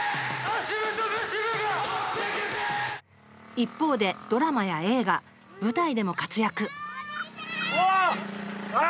一方でドラマや映画舞台でも活躍おっ！